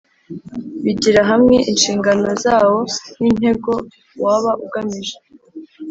bigira hamwe inshingano zawo n'intego waba ugamije